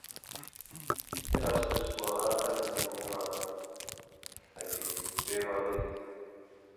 چے اس تُس بولاں اڙہۡ نہ مِنی والاں تھہ گی بے والِگ تھہ؟